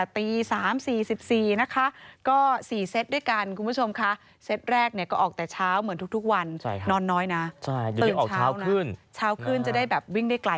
ตั้งจากตี๓๔๔นะคะ